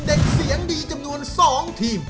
เด็กเสียงดีจำนวน๒ทีม